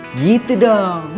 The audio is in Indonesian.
nah gitu dong